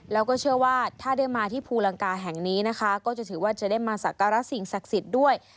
แล้วก็เชื่อว่าถ้าได้มาที่ภูลังกาแห่งนี้นะคะก็จะถือว่าจะได้มาสักการะสิ่งศักดิ์สิทธิ์ด้วย